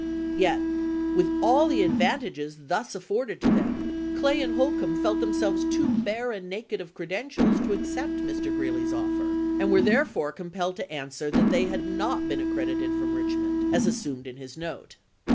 Yet, with all the advantages thus afforded them, Clay and Holcombe felt them selves too bare and naked of credentials to accept Mr. Greeley's offer, and were therefore compelled to answer that they had not been accredited from Eichmond, as assumed in his note.